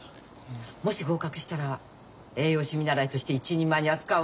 もし合格したら栄養士見習いとして一人前に扱うわ。